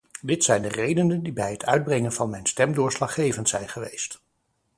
Dit zijn de redenen die bij het uitbrengen van mijn stem doorslaggevend zijn geweest.